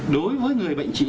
đối với người bệnh trí